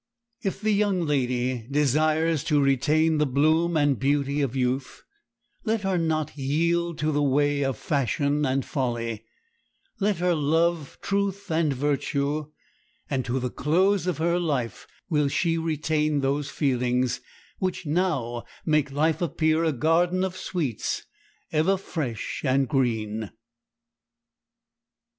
If the young lady desires to retain the bloom and beauty of youth, let her not yield to the way of fashion and folly; let her love truth and virtue; and to the close of her life will she retain those feelings which now make life appear a garden of sweets ever fresh and green.